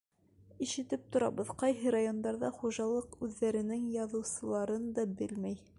Ишетеп торабыҙ: ҡайһы райондарҙа хужалар үҙҙәренең яҙыусыларын да белмәй.